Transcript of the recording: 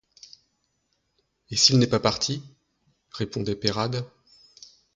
Et s’il n’est pas parti? répondait Peyrade.